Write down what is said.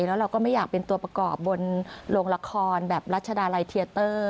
แล้วเราก็ไม่อยากเป็นตัวประกอบบนโรงละครแบบรัชดาลัยเทียเตอร์